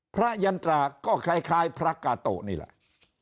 ยันตราก็คล้ายพระกาโตะนี่แหละ